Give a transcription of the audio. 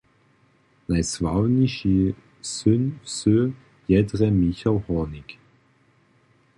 Najsławniši syn wsy je drje Michał Hórnik.